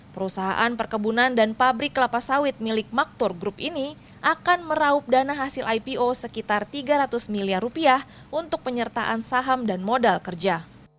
perusahaan perkebunan dan pabrik kelapa sawit milik maktur group ini akan meraup dana hasil ipo sekitar tiga ratus miliar rupiah untuk penyertaan saham dan modal kerja